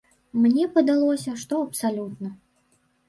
Мне падалося, што абсалютна.